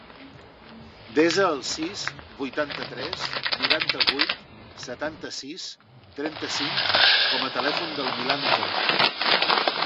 Desa el sis, vuitanta-tres, noranta-vuit, setanta-sis, trenta-cinc com a telèfon del Milan Coma.